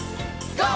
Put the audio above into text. ＧＯ！